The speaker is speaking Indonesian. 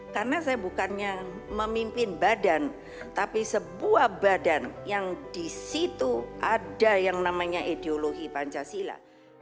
karena saya bukannya memimpin badan tapi sebuah badan yang di situ ada yang namanya ideologi pancasila